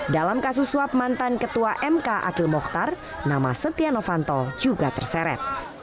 dalam kasus suap mantan ketua mk akil mokhtar nama setia novanto juga terseret